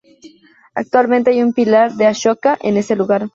Actualmente hay un pilar de Ashoka en ese lugar.